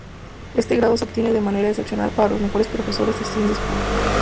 Este grado se obtiene de manera excepcional para los mejores profesores de Sciences Po.